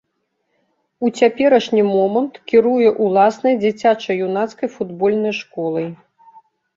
У цяперашні момант кіруе ўласнай дзіцяча-юнацкай футбольнай школай.